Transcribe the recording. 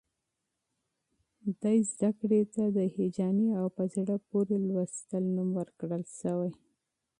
دې علم ته د هیجاني او په زړه پورې مطالعې نوم ورکړل شوی.